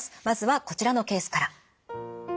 まずはこちらのケースから。